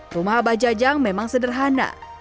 rumah abah jajang memang sederhana